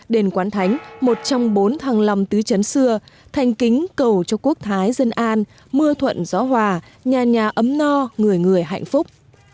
đền quán thánh một trong bốn thăng long tứ chấn xưa thành kính cầu cho quốc thái dân an mưa thuận gió hòa nhà nhà ấm no người người hạnh phúc